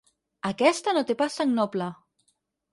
Aquesta no té pas sang noble.